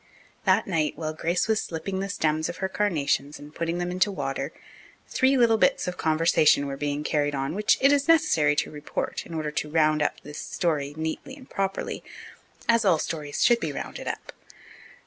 That night, while Grace was slipping the stems of her carnations and putting them into water, three little bits of conversation were being carried on which it is necessary to report in order to round up this story neatly and properly, as all stories should be rounded up.